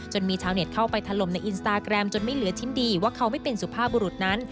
มีชาวเน็ตเข้าไปถล่มในอินสตาแกรมจนไม่เหลือชิ้นดีว่าเขาไม่เป็นสุภาพบุรุษนั้น